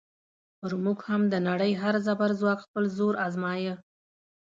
پر موږ هم د نړۍ هر زبرځواک خپل زور ازمایه.